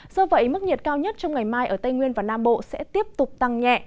do vậy mức nhiệt cao nhất trong ngày mai ở tây nguyên và nam bộ sẽ tiếp tục tăng nhẹ